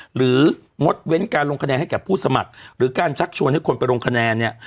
งดเว้นการลงคะแนนให้แก่ผู้สมัครหรือการชักชวนให้คนไปลงคะแนนเนี่ย